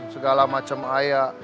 segala macam air